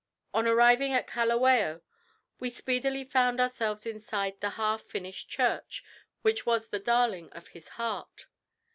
On arriving at Kalawao we speedily found ourselves inside the half finished church which was the darling of his heart.